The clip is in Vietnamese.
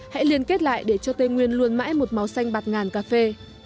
hãy liên kết lại để cho tây nguyên luôn mãi một màu xanh bạt ngàn cà phê